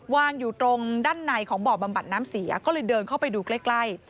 วางอยู่ตรงด้านในของบ่อบำบัดน้ำเสียก็เลยเดินเข้าไปดูใกล้